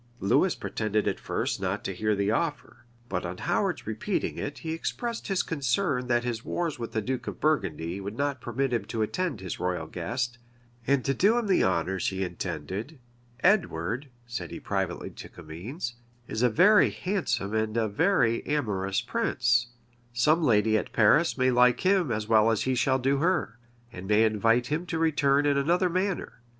Lewis pretended at first not to hear the offer; but on Howard's repeating it, he expressed his concern that his wars with the duke of Burgundy would not permit him to attend his royal guest, and do him the honors he intended "Edward," said he privately to Comines, "is a very handsome and a very amorous prince: some lady at Paris may like him as well as he shall do her; and may invite him to return in another manner.